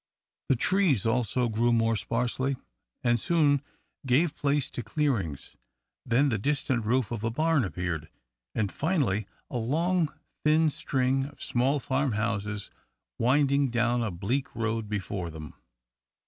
The trees also grew more sparsely, and soon gave place to clearings, then the distant roof of a barn appeared, and finally a long, thin string of small farmhouses winding down a bleak road before them.